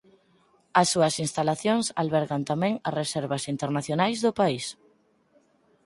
As súas instalacións albergan tamén as reservas internacionais do país.